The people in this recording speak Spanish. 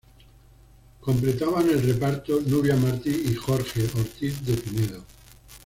Completaban el reparto Nubia Martí y Jorge Ortiz de Pinedo.